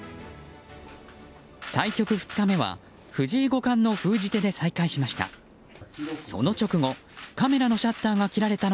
対局２日目は藤井五冠の封じ手で再開しました。